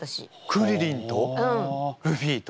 クリリンとルフィと？